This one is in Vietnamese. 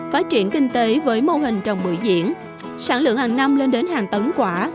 phát triển kinh tế với mô hình trồng bưởi diễn sản lượng hàng năm lên đến hàng tấn quả